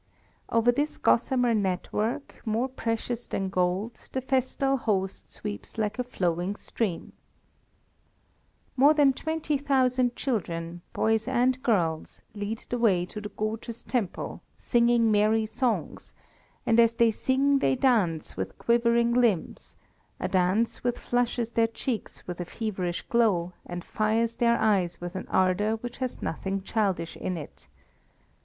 Over this gossamer net work, more precious than gold, the festal host sweeps like a flowing stream. More than 20,000 children boys and girls lead the way to the gorgeous temple, singing merry songs, and as they sing they dance with quivering limbs a dance which flushes their cheeks with a feverish glow, and fires their eyes with an ardour which has nothing childish in it.